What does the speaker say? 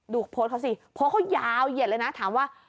โพสต์เขาสิโพสต์เขายาวเหยียดเลยนะถามว่า